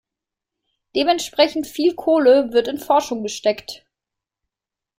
Dementsprechend viel Kohle wird in Forschung gesteckt.